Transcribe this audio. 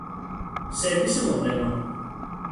سرویس مبلمان